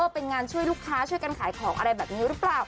เป็นงานช่วยลูกค้าช่วยกันขายของอะไรแบบนี้หรือเปล่า